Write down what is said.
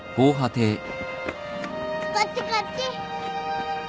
こっちこっち。